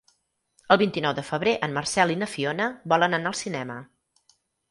El vint-i-nou de febrer en Marcel i na Fiona volen anar al cinema.